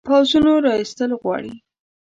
پوځونو را ایستل غواړي.